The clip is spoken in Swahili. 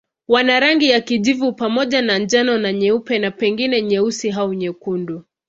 Wana rangi ya kijivu pamoja na njano na nyeupe na pengine nyeusi au nyekundu.